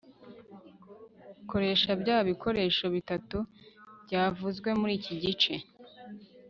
koresha bya bikoresho bitatu byavuzwe muri iki gice